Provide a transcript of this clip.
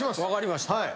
分かりました。